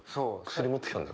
薬持ってきたんだ。